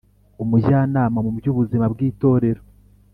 Umujyanama mu by ubuzima bw Itorero